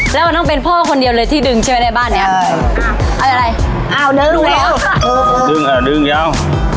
แล้วต้องเป็นพ่อคนเดียวเลยที่ดึงใช่ไหมในบ้านเนี้ยเอาอะไรเอาดึงแล้วดึงอ่ะดึงยาว